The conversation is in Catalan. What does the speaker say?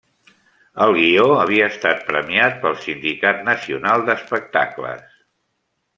El guió havia estat premiat pel Sindicat Nacional d'Espectacles.